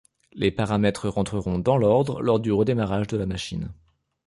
Les paramètres rentreront dans l'ordre lors du redémarrage de la machine.